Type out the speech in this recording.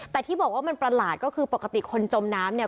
แต่ที่บอกว่ามันประหลาดก็คือปกติคนจมน้ำเนี่ย